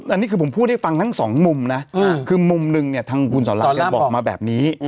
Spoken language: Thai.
อันนี้คือผมพูดให้ฟังทั้งสองมุมนะคือมุมหนึ่งเนี่ยทางคุณสอนราเนี่ยบอกมาแบบนี้